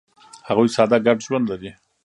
هغوی ساده ګډ ژوند لري.